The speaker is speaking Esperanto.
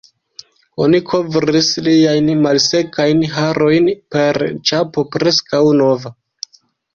Oni kovris liajn malsekajn harojn per ĉapo preskaŭ nova.